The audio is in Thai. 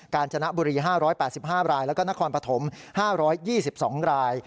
การจนบุรี๕๘๕รายแล้วก็นครปฐม๕๒๒ราย